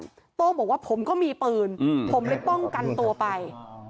คุณโต้งบอกว่าผมก็มีปืนผมเลยป้องกันตัวไป